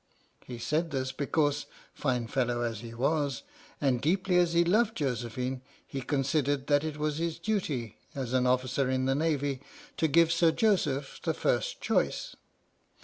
He said this because, fine fellow as he was, and deeply as he loved Josephine, he considered that it was his duty, as an officer in the Navy, to give Sir Joseph the first choice.